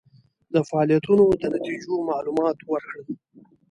د فعالیتونو د نتیجو معلومات ورکړل.